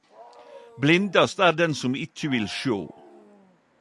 Blindast er den som ikkje vil sjå